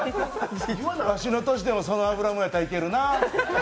ワシの年でもその油ものやったらいけるな。